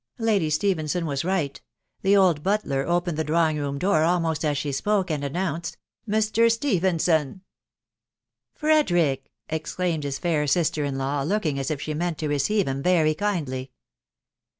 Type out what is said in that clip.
Lady Stephenson was right; the old butler opened die drawing room door almost as she spoke, and announced " Mr. Stephenson !"" Frederick !" exclaimed his fair sister in law, looking as if she meant to receive him very kindly.